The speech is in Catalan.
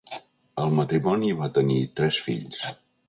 El matrimoni va tenir tres fills.